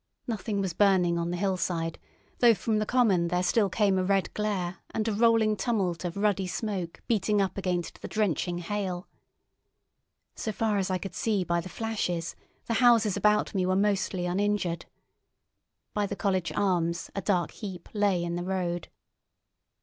Nothing was burning on the hillside, though from the common there still came a red glare and a rolling tumult of ruddy smoke beating up against the drenching hail. So far as I could see by the flashes, the houses about me were mostly uninjured. By the College Arms a dark heap lay in the road.